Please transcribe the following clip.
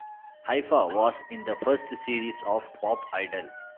Haifa was in the first series of Pop Idol.